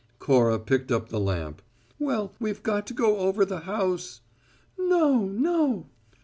Cora picked up the lamp. "Well, we've got to go over the house " "No, no!"